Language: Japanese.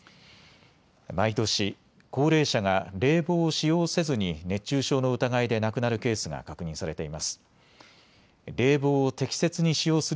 毎年、高齢者が冷房を使用せずに熱中症の疑いで亡くなるケースが確認されています。